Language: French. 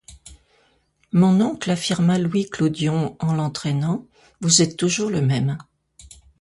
Mon oncle, affirma Louis Clodion en l’entraînant, vous êtes toujours le même!